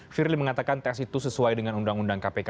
firly mengatakan tes itu sesuai dengan undang undang kpk